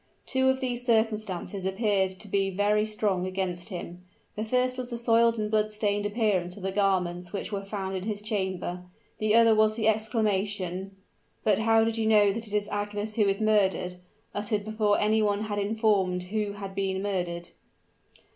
Two of these circumstances appeared to be very strong against him. The first was the soiled and blood stained appearance of the garments which were found in his chamber; the other was the exclamation "But how know you that it is Agnes who is murdered?" uttered before any one had informed who had been murdered.